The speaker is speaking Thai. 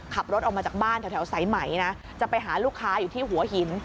ขับรถออกมาจากบ้านแถวสายไหมนะจะไปหาลูกค้าอยู่ที่หัวหิน